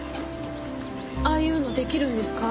ああいうの出来るんですか？